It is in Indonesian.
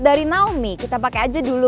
dari naomi kita pakai aja dulu